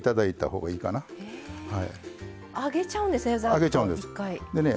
上げちゃうんですね